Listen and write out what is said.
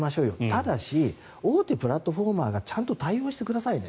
ただし大手プラットフォーマーがちゃんと対応してくださいね。